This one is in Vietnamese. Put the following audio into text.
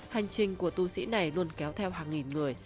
hành trình của tu sĩ này luôn kéo theo hàng nghìn người